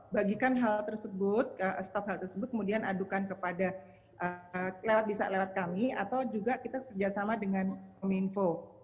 bagikan hal tersebut stop hal tersebut kemudian adukan kepada lewat kami atau juga kita kerjasama dengan kominfo